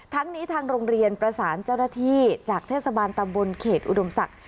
ทั้งนี้ทางโรงเรียนประสานเจ้าหน้าที่จากเทศบาลตำบลเขตอุดมศักดิ์